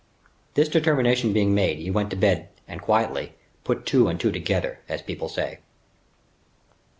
This determination being made, he went to bed and quietly, "put two and two together," as people say.